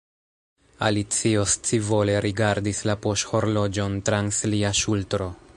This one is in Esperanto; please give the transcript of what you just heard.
Alicio scivole rigardis la poŝhorloĝon trans lia ŝultro.